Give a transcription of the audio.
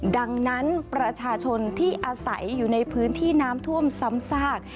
ดังนั้นประชาชนที่อาศัยอยู่ในพื้นที่น้ำท่วมซ้ำซาก